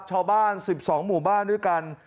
ชาวบ้าน๑๒หมู่บ้านด้วยกัน